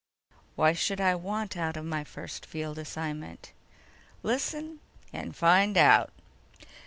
"Why should I want out of my first field assignment?" "Listen, and find out."